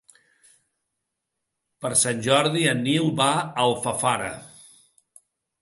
Per Sant Jordi en Nil va a Alfafara.